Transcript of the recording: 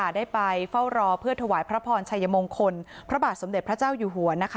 ได้ไปเฝ้ารอเพื่อถวายพระพรชัยมงคลพระบาทสมเด็จพระเจ้าอยู่หัว